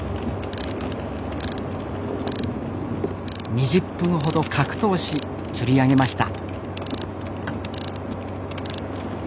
２０分ほど格闘し釣り上げました。